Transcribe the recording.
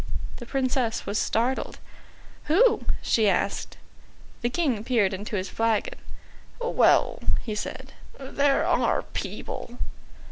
The Princess was startled. "Who?" she asked. The King peered into his flagon. "Well," he said, "there are people."